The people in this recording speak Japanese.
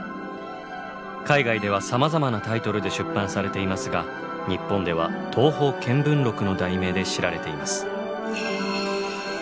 海外ではさまざまなタイトルで出版されていますが日本では「東方見聞録」の題名で知られています。